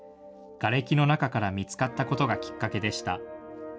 がれきの中から見つかったことがきっかけでした。